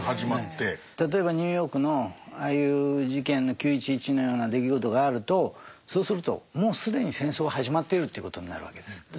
例えばニューヨークのああいう事件の９．１１のような出来事があるとそうするともう既に戦争は始まっているということになるわけです。